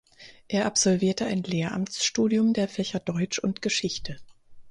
Er absolvierte ein Lehramtsstudium der Fächer Deutsch und Geschichte.